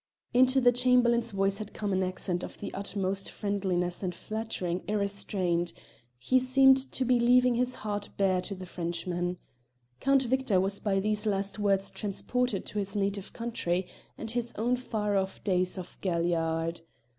Into the Chamberlain's voice had come an accent of the utmost friendliness and flattering ir restraint; he seemed to be leaving his heart bare to the Frenchman. Count Victor was by these last words transported to his native city, and his own far off days of galliard.